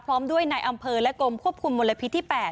พร้อมด้วยนายอำเภอและกรมควบคุมมลพิษที่๘